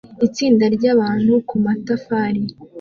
Itsinda ryabantu kumatafari